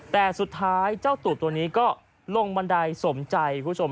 แต่สุดท้ายเจ้าตูบตัวนี้ก็ลงบันไดสมใจคุณผู้ชม